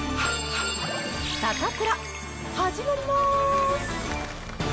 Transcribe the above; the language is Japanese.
サタプラ始まります。